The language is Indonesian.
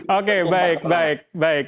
oke baik baik